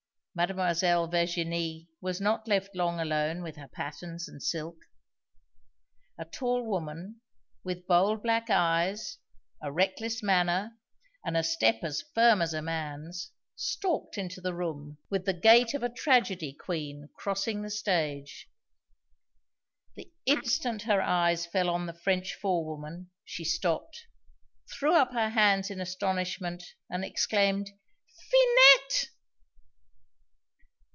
Mademoiselle Virginie was not left long alone with her patterns and silks. A tall woman, with bold black eyes, a reckless manner, and a step as firm as a man's, stalked into the room with the gait of a tragedy queen crossing the stage. The instant her eyes fell on the French forewoman, she stopped, threw up her hands in astonishment, and exclaimed, "Finette!"